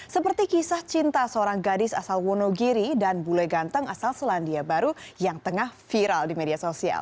seperti kisah cinta seorang gadis asal wonogiri dan bule ganteng asal selandia baru yang tengah viral di media sosial